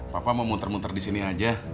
papa mau muter muter disini aja